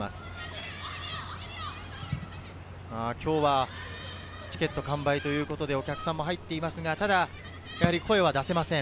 今日はチケット完売ということで、お客さんが入っていますが、声は出せません。